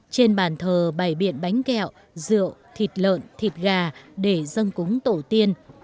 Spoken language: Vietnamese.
trên bàn thờ bày biện bánh kẹo rượu thịt lợn thịt gà để dân cúng tổ tiên